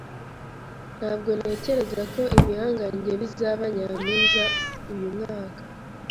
Ntabwo ntekereza ko Ibihangange bizaba nyampinga uyu mwaka